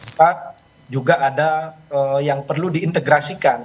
karena masyarakat juga ada yang perlu diintegrasikan